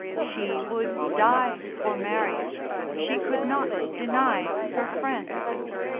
She would die for Mary; she could not deny her Friend.